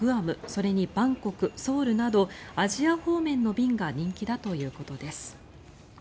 それにバンコク、ソウルなどアジア方面の便が人気だということです。